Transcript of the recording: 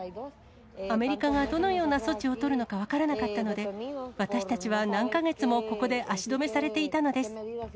アメリカがどのような措置を取るのか分からなかったので、私たちは何か月もここで足止めされていたのです。